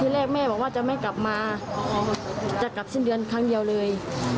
แรกแม่บอกว่าจะไม่กลับมาจะกลับสิ้นเดือนครั้งเดียวเลย